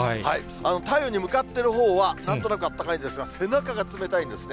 太陽に向かってるほうは、なんとなくあったかいんですが、背中が冷たいんですね。